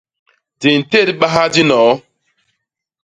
Di ntédbaha dinoo.